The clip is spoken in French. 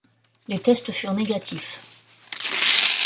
Les tests furent négatifs.